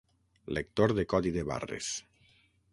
Lector de codi de barres.